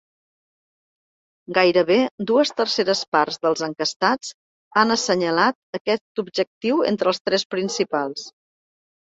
Gairebé dues terceres parts dels enquestats han assenyalat aquest objectiu entre els tres principals.